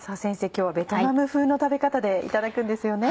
今日はベトナム風の食べ方でいただくんですよね。